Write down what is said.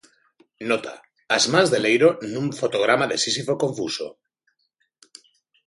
Nota: as mans de Leiro nun fotograma de Sísifo confuso.